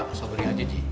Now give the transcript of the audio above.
kasih beli aja ji